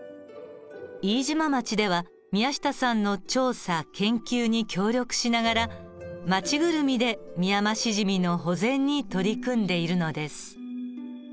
飯島町では宮下さんの調査研究に協力しながら町ぐるみでミヤマシジミの保全に取り組んでいるのです。